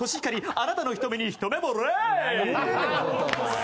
あなたの瞳にひとめぼれ！